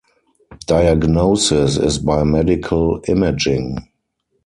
Diagnosis is by medical imaging.